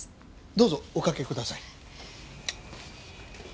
どうぞおかけください。